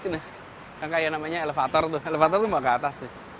kayaknya namanya elevator tuh elevator tuh mau ke atas